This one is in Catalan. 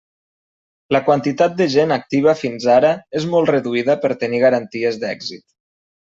La quantitat de gent activa fins ara és molt reduïda per tenir garanties d'èxit.